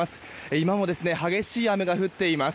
今も激しい雨が降っています。